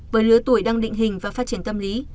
với lứa tuổi đang định hình và phát triển tâm lý